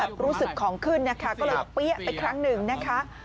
แล้วก็แบบรู้สึกของขึ้นนะคะก็เราปี้๊ะไปครั้งหนึ่งนะคะ